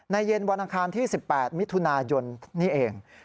เย็นวันอังคารที่๑๘มิถุนายนนี่เอง